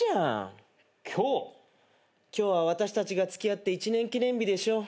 今日は私たちが付き合って１年記念日でしょ。